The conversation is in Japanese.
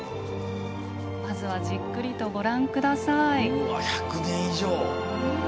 まずは、じっくりとご覧ください。